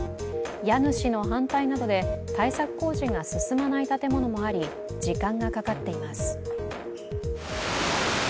家主の反対などで対策工事が進まない建物もあり、時間がかかっています。